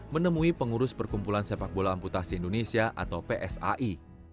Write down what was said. menemui pengurus perkumpulan sepak bola amputasi indonesia atau psai